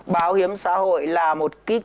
bảo hiểm xã hội là một ký cơ